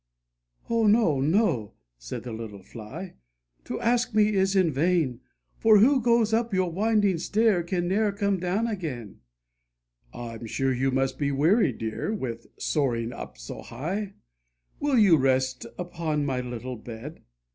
"Oh, no, no," said the little Fly, "to ask me is in vain, For who goes up your winding stair can ne'er come down again." 90 THE SPIDER AND THE FLY "I'm sure you must be weary, dear, with soaring up so high; " Will you rest upon my little bed?